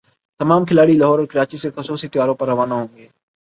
تمام کھلاڑی لاہور اور کراچی سے خصوصی طیاروں پر روانہ ہوں گے